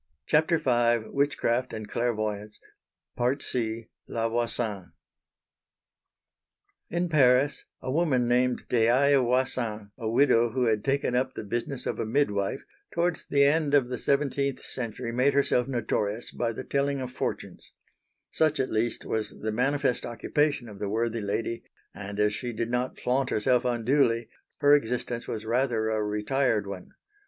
C. LA VOISIN In Paris a woman named Des Hayes Voisin, a widow who had taken up the business of a midwife, towards the end of the seventeenth century made herself notorious by the telling of fortunes. Such at least was the manifest occupation of the worthy lady, and as she did not flaunt herself unduly, her existence was rather a retired one.